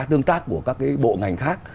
tương tác của các cái bộ ngành khác